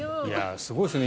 すごいですね。